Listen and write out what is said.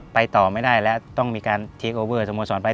ไปต่อไม่ได้แล้วต้องมีการต้องหมดโฆษณ์สมศึนธุ์ไป